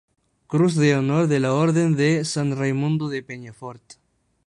Cruz de Honor de la Orden de San Raimundo de Peñafort.